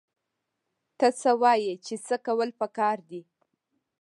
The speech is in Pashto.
ته څه وايې چې څه کول پکار دي؟